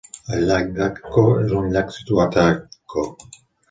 El llac d'Atco és un llac situat a Atco.